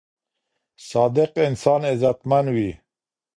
صادق انسان عزتمن وي.